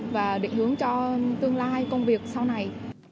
và định hướng cho tương lai công việc sau này